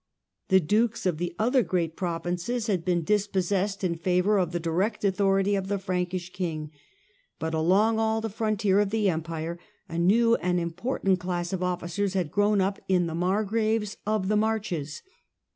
The dukes of the other great provinces had been dispossessed in favour of the direct authority of the Frankish king, but along all the frontier of the Empire a new and important class of officers had grown up in the Margraves Margraves of the Marches.